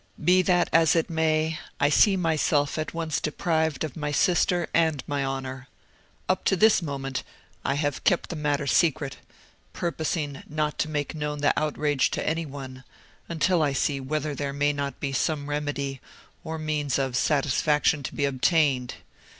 "Be that as it may, I see myself at once deprived of my sister and my honour. Up to this moment I have kept the matter secret, purposing not to make known the outrage to any one, until I see whether there may not be some remedy, or means of satisfaction to be obtained.